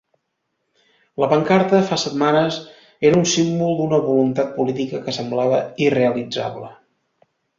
La pancarta, fa setmanes, era el símbol d’una voluntat política que semblava irrealitzable.